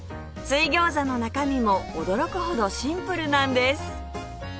水餃子の中身も驚くほどシンプルなんです